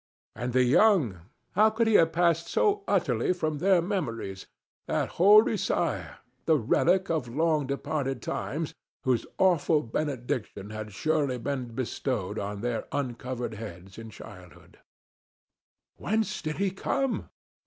And the young! How could he have passed so utterly from their memories—that hoary sire, the relic of long departed times, whose awful benediction had surely been bestowed on their uncovered heads in childhood? "Whence did he come?